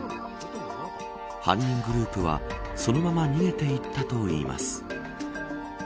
犯人グループはそのまま逃げていったといいます。